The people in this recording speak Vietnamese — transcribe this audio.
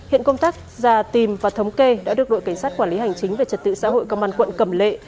hiện công tác ra tìm và thống kê đã được đội cảnh sát quản lý hành chính về trật tự xã hội công an quận cầm lệ